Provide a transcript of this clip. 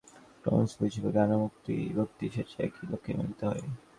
ক্রমশ বুঝিব, জ্ঞান ও ভক্তি শেষে একই লক্ষ্যে মিলিত হয়।